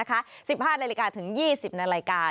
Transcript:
๑๕นาฬิกาถึง๒๐นาฬิกา